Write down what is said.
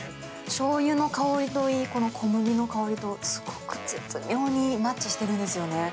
しょうゆの香りといい、この小麦の香りとすごく絶妙にマッチしているんですよね。